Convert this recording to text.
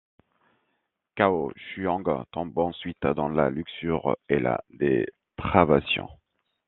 Cao Shuang tombe ensuite dans la luxure et la dépravation.